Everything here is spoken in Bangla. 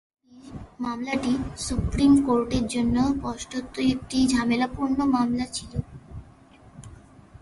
মামলাটি সুপ্রীম কোর্টের জন্য স্পষ্টতই একটি ঝামেলাপূর্ণ মামলা ছিল।